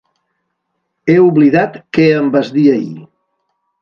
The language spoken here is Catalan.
He oblidat què em vas dir ahir.